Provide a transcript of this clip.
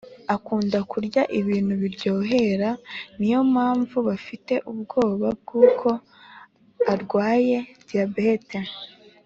akunda kurya ibintu biryohera niyo mpamvu bafite ubwoba bwuko arwaye diabette